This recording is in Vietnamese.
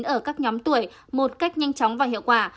ở các nhóm tuổi một cách nhanh chóng và hiệu quả